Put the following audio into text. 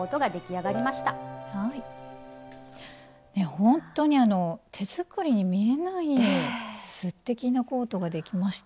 ほんとに手作りに見えないすてきなコートができました。